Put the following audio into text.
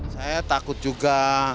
saya takut juga